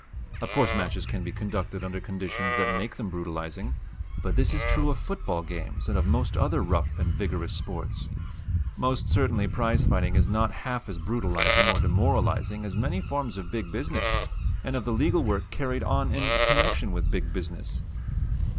Of course matches can be conducted under conditions that make them brutalizing. But this is true of football games and of most other rough and vigorous sports. Most certainly prize fighting is not half as brutalizing or demoralizing as many forms of big business and of the legal work carried on in connection with big business.